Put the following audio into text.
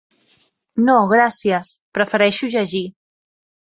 No, gràcies: prefereixo llegir.